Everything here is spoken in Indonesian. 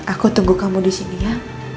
aku tunggu kamu di sini ya